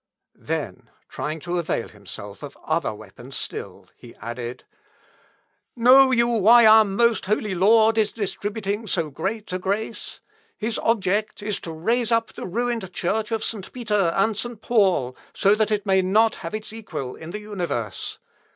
Then, trying to avail himself of other weapons still, he added, "Know you why our most holy Lord is distributing so great a grace? His object is to raise up the ruined church of St. Peter and St. Paul, so that it may not have its equal in the universe.